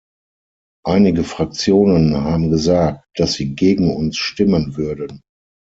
Einige Fraktionen haben gesagt, dass sie gegen uns stimmen würden.